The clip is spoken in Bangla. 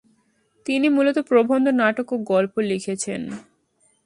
তিনি মূলত প্রবন্ধ, নাটক ও গল্প লিখেছেন।